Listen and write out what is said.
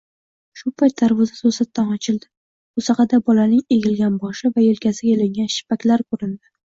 Shu payt darvoza toʻsatdan ochildi, boʻsagʻada bolaning egilgan boshi va yelkasiga ilingan shippaklari koʻrindi